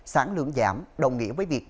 sản lượng giảm đồng nghĩa với việc